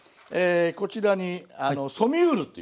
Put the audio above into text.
こちらにソミュールというね。